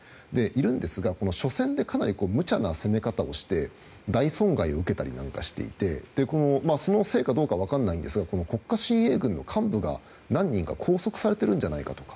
いるんですが、初戦でかなり無茶な攻め方をして大損害を受けたりしていてそのせいかどうかは分からないんですが国家親衛軍の幹部が何人か拘束されているんじゃないかと。